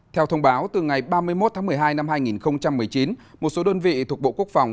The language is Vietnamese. theo thông báo từ ngày ba mươi một tháng một mươi hai năm hai nghìn một mươi chín một số đơn vị thuộc bộ quốc phòng